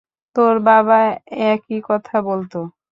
তোর বাবাও একই কথা বলতো।